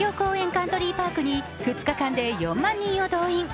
カントリーパークに２日間で４万人を動員。